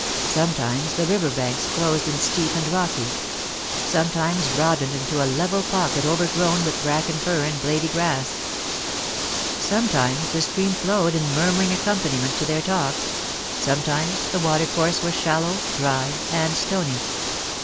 Some times the river banks closed in steep and rocky ; sometimes broadened into a level pocket overgrown with bracken fern and blady grass. Sometimes the stream flowed in murmur ing accompaniment to their talk ; sometimes the water course was shallow, dry, and stony.